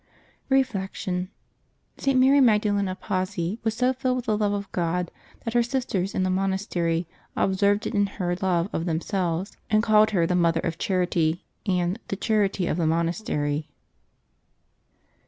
Reflection. — St. Mary Magdalen of Pazzi was so filled with the love of God that her sisters in the monastery observed it in her love of themselves, and called her " the Mother of Charity " and " the Charity of the Monastery."